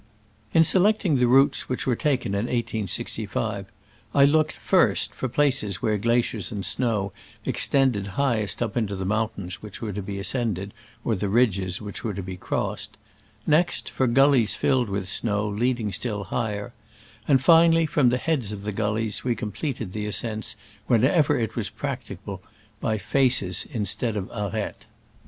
In selecting the routes which were taken in 1865, I looked, first, for places where glaciers and snow extended high est up into the mountains which were to be ascended or the ridges which were to be crossed; next, for gullies filled with snow leading still higher ; and final ly, from the heads of the gullies we com pleted the ascents, whenever it was prac ticable, by faces instead of by aretes.